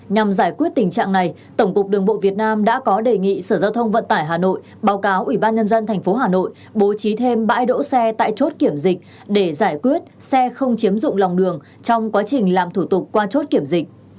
nhằm giải quyết tình trạng này tổng cục đường bộ việt nam đã có đề nghị sở giao thông vận tải hà nội báo cáo ủy ban nhân dân tp hà nội bố trí thêm bãi đỗ xe tại chốt kiểm dịch để giải quyết xe không chiếm dụng lòng đường trong quá trình làm thủ tục qua chốt kiểm dịch